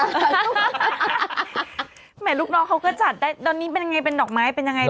แม่ลูกน้องเขาก็จัดได้ตอนนี้เป็นยังไงเป็นดอกไม้เป็นยังไง